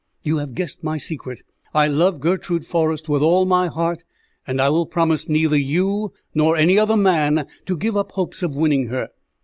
You have guessed my secret. I love Gertrude Forrest with all my heart, and I will promise neither you nor any other man to give up hopes of winning her.